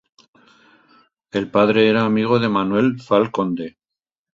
El padre era amigo de Manuel Fal Conde.